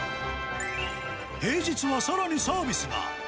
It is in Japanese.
平日はさらにサービスが。